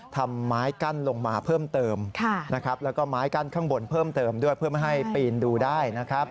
ไม้กั้นลงมาเพิ่มเติมนะครับแล้วก็ไม้กั้นข้างบนเพิ่มเติมด้วยเพื่อไม่ให้ปีนดูได้นะครับ